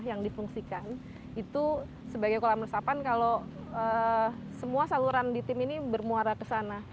yang difungsikan itu sebagai kolam resapan kalau semua saluran di tim ini bermuara ke sana